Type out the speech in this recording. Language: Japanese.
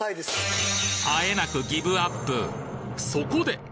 あえなくそこで！